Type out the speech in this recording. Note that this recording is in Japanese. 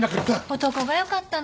男がよかったな。